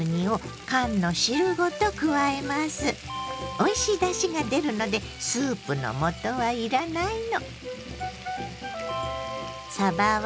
おいしいだしが出るのでスープの素はいらないの。